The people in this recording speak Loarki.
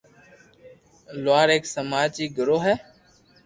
"لوهار"" هڪ سماجي گروه ھي"